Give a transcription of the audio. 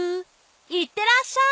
いってらっしゃい！